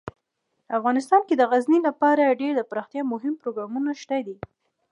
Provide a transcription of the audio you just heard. افغانستان کې د غزني لپاره ډیر دپرمختیا مهم پروګرامونه شته دي.